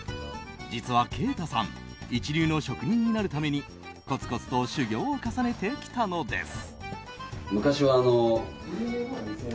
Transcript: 実は、慶太さん一流の職人になるためにコツコツと修業を重ねてきたのです。